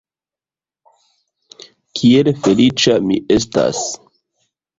Kiel feliĉa mi estas!